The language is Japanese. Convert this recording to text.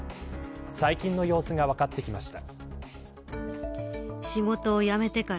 最近の様子が分かってきました。